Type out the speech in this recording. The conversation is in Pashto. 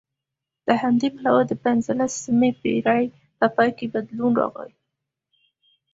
له همدې پلوه د پنځلسمې پېړۍ په پای کې بدلون راغی